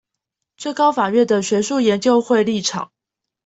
最高法院的學術研究會立場